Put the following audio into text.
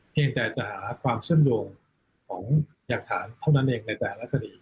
เพียงแต่จะหาความเชื่อมโยงของหลักฐานเท่านั้นเองในแต่ละคดี